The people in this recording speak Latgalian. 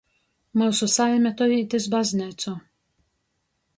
Myusu saime to īt iz bazneicu.